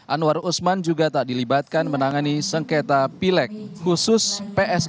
anwar usman juga tak dilibatkan menangani sengketa pilek khusus